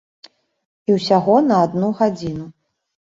І усяго на адну гадзіну.